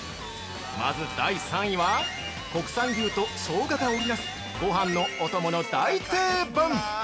まず第３位は国産牛とショウガが織りなすごはんのお供の大定番！